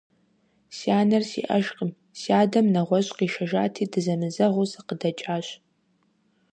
Си анэр сиӀэжкъым, си адэм нэгъуэщӀ къишэжати, дызэмызэгъыу сыкъыдэкӀащ.